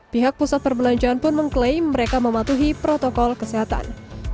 pihak pusat perbelanjaan pun mengklaim mereka mematuhi protokol kesehatan